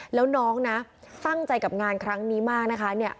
แล้วน้องนะตั้งใจกับงานครั้งนี้มากนะคะ